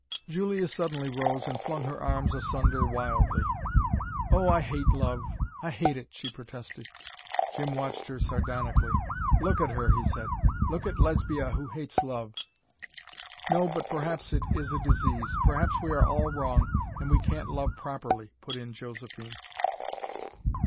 Julia suddenly rose and flung her arms asunder wildly. "Oh, I hate love. I hate it," she protested. Jim watched her sardonically. "Look at her!" he said. "Look at Lesbia who hates love." "No, but perhaps it is a disease. Perhaps we are all wrong, and we can't love properly," put in Josephine.